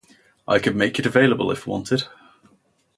I could make it available if wanted.